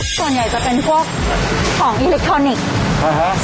ส่วนใหญ่จะเป็นพวกของอิเล็กทรอนิกส์อ่าฮะ